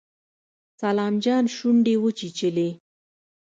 سلام جان شونډې وچيچلې.